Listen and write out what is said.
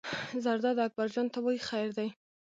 زرداد اکبر جان ته وایي: خیر دی.